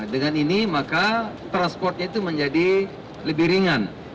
dengan ini maka transportnya itu menjadi lebih ringan